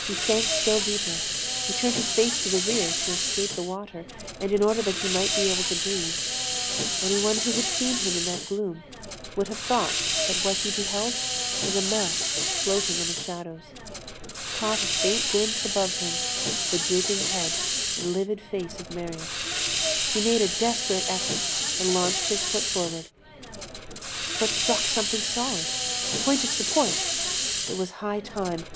He sank still deeper, he turned his face to the rear, to escape the water, and in order that he might be able to breathe; anyone who had seen him in that gloom would have thought that what he beheld was a mask floating on the shadows; he caught a faint glimpse above him of the drooping head and livid face of Marius; he made a desperate effort and launched his foot forward; his foot struck something solid; a point of support. It was high time.